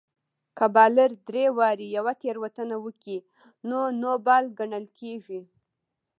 که بالر درې واري يوه تېروتنه وکي؛ نو نو بال ګڼل کیږي.